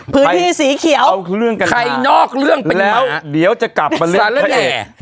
พื้นที่สีเขียวเอาเรื่องกันมาแล้วเดี๋ยวจะกลับมาเรียนใครเอง